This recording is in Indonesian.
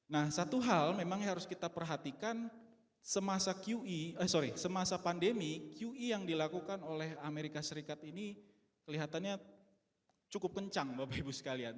nah satu hal memang harus kita perhatikan semasa pandemi qe yang dilakukan oleh amerika serikat ini kelihatannya cukup kencang bapak ibu sekalian